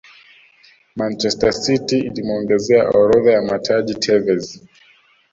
manchester city ilimuongezea orodha ya mataji tevez